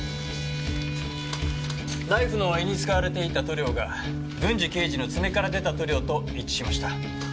ナイフの柄に使われていた塗料が郡侍刑事の爪から出た塗料と一致しました。